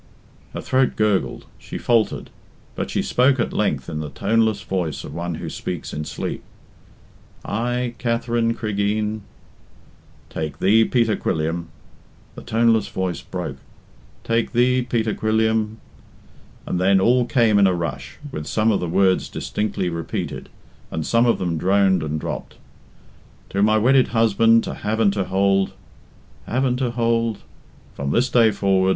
Her throat gurgled; she faltered, but she spoke at length in the toneless voice of one who speaks in sleep. "'I, Katherine Cregeen '" "'Take thee, Peter Quilliam '" The toneless voice broke "take thee, Peter Quilliam '" And then all came in a rush, with some of the words distinctly repeated, and some of them droned and dropped " 'to my wedded husband, to have and to hold '"" 'have and to hold '"" 'from this day forward....